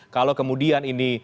kalau kemudian ini